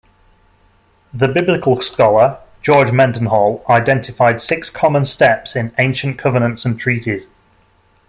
The biblical scholar George Mendenhall identified six common steps in ancient covenants and treaties.